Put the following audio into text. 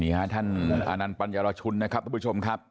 นี่ค่ะท่านอนันท์ปัญยรชุนนะครับท่านผู้ชมครับ